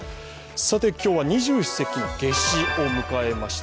今日は二十四節気の夏至を迎えました。